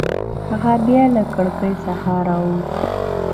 هغه بیا له کړکۍ څخه راووت.